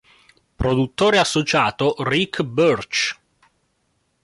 Produttore Associato Ric Birch.